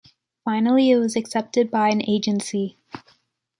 Finally it was accepted by an agency.